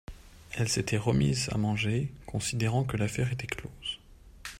Elle s’était remise à manger, considérant que l’affaire était close.